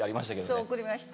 そう送りました